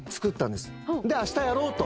で明日やろうと。